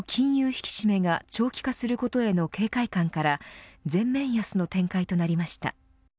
引き締めが長期化することへの警戒感から全面安の展開となりました。